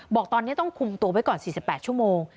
บอกตอนนี้ต้องคุมตัวไว้ก่อน๔๘ชั่วโมง